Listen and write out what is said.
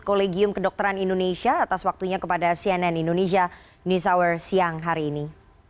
kolegium kedokteran indonesia atas waktunya kepada cnn indonesia news hour siang hari ini